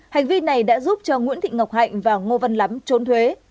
hành vi này đã giúp cho nguyễn thị ngọc hạnh và ngô văn lắm trốn thuế